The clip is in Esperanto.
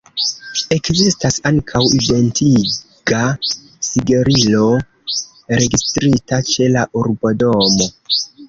Ekzistas ankaŭ identiga sigelilo registrita ĉe la urbodomo.